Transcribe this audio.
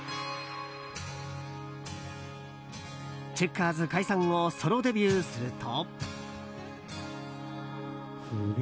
チェッカーズ解散後ソロデビューすると。